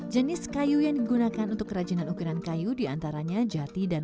jenis kayu yang digunakan untuk kerajinan ukiran kayu diantaranya jati dan